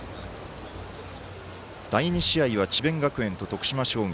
第２試合は、智弁学園と徳島商業。